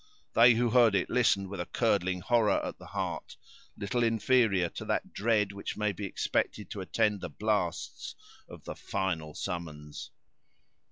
They who heard it listened with a curdling horror at the heart, little inferior to that dread which may be expected to attend the blasts of the final summons.